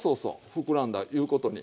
膨らんだいうことに。